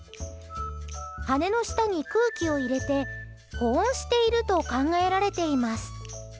羽の下に空気を入れて保温していると考えられています。